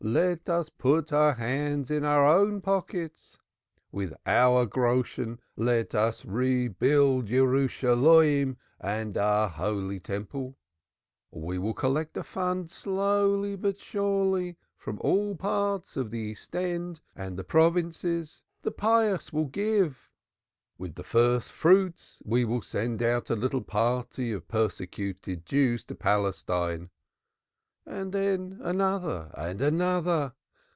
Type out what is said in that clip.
Let us put our hands in our own pockets. With our Groschen let us rebuild Jerusalem and our Holy Temple. We will collect a fund slowly but surely from all parts of the East End and the provinces the pious will give. With the first fruits we will send out a little party of persecuted Jews to Palestine; and then another; and another.